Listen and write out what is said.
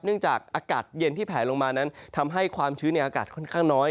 เนื่องจากอากาศเย็นที่แผลลงมานั้นทำให้ความชื้นในอากาศค่อนข้างน้อย